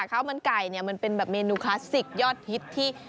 ข้าวมันไก่เนี่ยมันเป็นแบบเมนูคลาสสิกยอดฮิตที่